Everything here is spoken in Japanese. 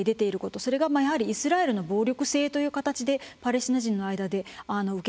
それがやはりイスラエルの暴力性という形でパレスチナ人の間で受け止められている。